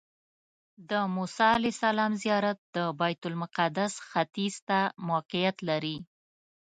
د موسی علیه السلام زیارت د بیت المقدس ختیځ ته موقعیت لري.